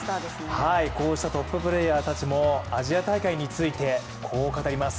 こうしたトッププレーヤーたちもアジア大会について、こう語ります。